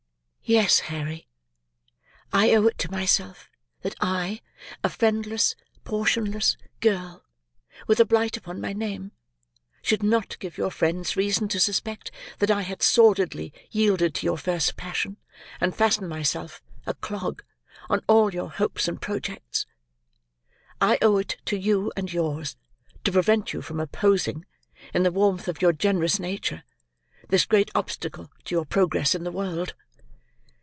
"Yes, Harry. I owe it to myself, that I, a friendless, portionless, girl, with a blight upon my name, should not give your friends reason to suspect that I had sordidly yielded to your first passion, and fastened myself, a clog, on all your hopes and projects. I owe it to you and yours, to prevent you from opposing, in the warmth of your generous nature, this great obstacle to your progress in the world."